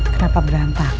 kenapa berantakan sih